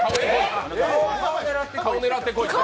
顔狙ってこいって。